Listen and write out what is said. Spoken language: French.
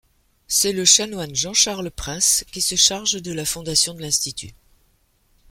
C'est le chanoine Jean-Charles Prince qui se charge de la fondation de l'institut.